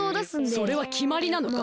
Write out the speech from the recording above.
それはきまりなのか？